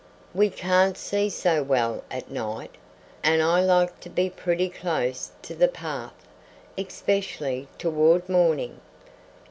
"We can't see so well at night, and I like to be pretty close to the path, especially toward morning."